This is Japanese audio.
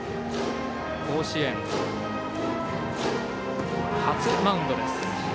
甲子園、初マウンドです。